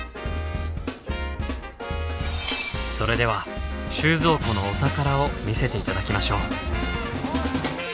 それでは収蔵庫のお宝を見せて頂きましょう。